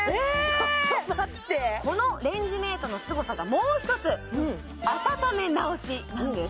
ちょっと待ってこのレンジメートのすごさがもう１つ温めなおしなんです